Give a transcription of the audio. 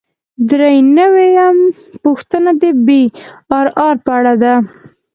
درې نوي یمه پوښتنه د پی آر آر په اړه ده.